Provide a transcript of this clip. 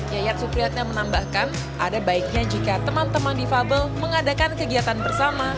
yayat supriyatna menambahkan ada baiknya jika teman teman difabel mengadakan kegiatan bersama